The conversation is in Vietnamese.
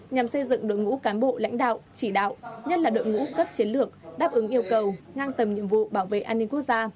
nhằm xây dựng đội ngũ cán bộ lãnh đạo chỉ đạo nhất là đội ngũ cấp chiến lược đáp ứng yêu cầu ngang tầm nhiệm vụ bảo vệ an ninh quốc gia